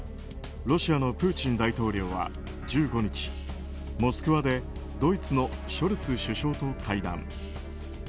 ロシアのプーチン大統領は１５日モスクワでドイツのショルツ首相と会談。